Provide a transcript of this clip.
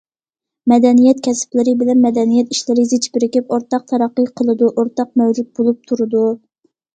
مەدەنىيەت كەسىپلىرى بىلەن مەدەنىيەت ئىشلىرى زىچ بىرىكىپ، ئورتاق تەرەققىي قىلىدۇ، ئورتاق مەۋجۇت بولۇپ تۇرىدۇ.